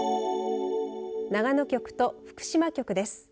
長野局と福島局です。